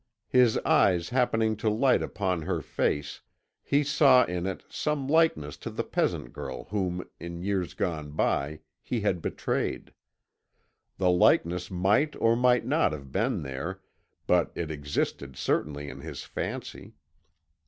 His eyes happening to light upon her face, he saw in it some likeness to the peasant girl whom in years gone by he had betrayed. The likeness might or might not have been there, but it existed certainly in his fancy.